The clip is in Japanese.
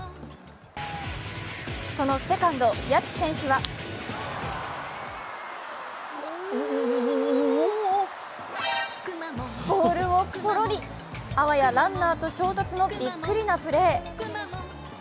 そのセカンド・谷内選手はボールをぽろり、あわやランナーと衝突のびっくりなプレー。